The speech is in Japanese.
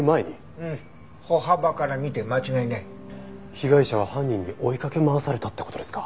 被害者は犯人に追いかけ回されたって事ですか？